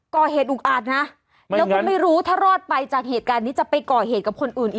อุกอาจนะแล้วก็ไม่รู้ถ้ารอดไปจากเหตุการณ์นี้จะไปก่อเหตุกับคนอื่นอีก